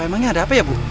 emangnya ada apa ya bu